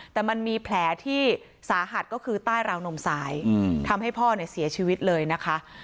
แต่มันมีแผลที่สาหัสก็คือใต้ราวนมซ้ายทำให้พ่อเนี่ยเสียชีวิตเลยนะคะ